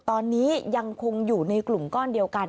ตอนนี้ยังคงอยู่ในกลุ่มก้อนเดียวกัน